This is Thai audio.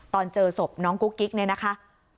ตอนเจอศพน้องกุ๊กกิ๊กเนี่ยนะคะ